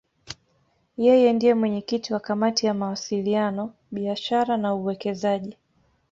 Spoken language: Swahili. Yeye ndiye mwenyekiti wa Kamati ya Mawasiliano, Biashara na Uwekezaji.